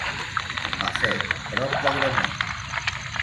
Mafet, prop d'Agramunt.